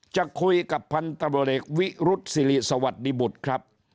จะคุยกับพันธบเล็กวิรุษฎีสวัสดิบุตรครับ